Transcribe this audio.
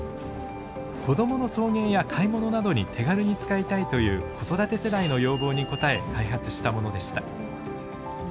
子どもの送迎や買い物などに手軽に使いたいという子育て世代の要望に応え開発したものでした。